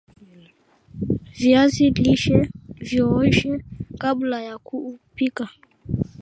viazi lishe viOshwe kabla ya kupika